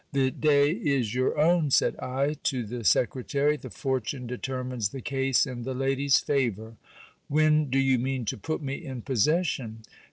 The day is your own, said I to the secretary ; the fortune determines the case in the k d/s favour. When do you mean to put me in possession